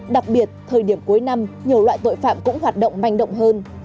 đặc biệt thời điểm cuối năm nhiều loại tội phạm cũng hoạt động manh động hơn